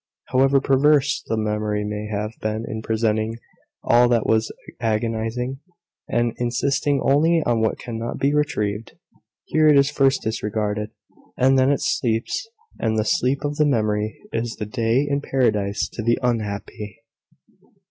However perverse the memory may have been in presenting all that was agonising, and insisting only on what cannot be retrieved, here it is first disregarded, and then it sleeps and the sleep of the memory is the day in Paradise to the unhappy.